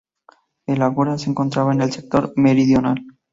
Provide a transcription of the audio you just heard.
El ágora se encontraba en el sector meridional.